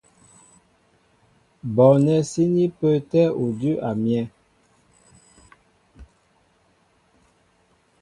Bɔɔnɛ́ síní pə́ə́tɛ́ udʉ́ a myɛ́.